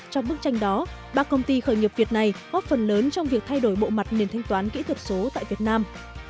trong bức tranh đó ba công ty khởi nghiệp việt này góp phần lớn trong việc thay đổi bộ mặt nền thanh toán kỹ thuật số tại việt nam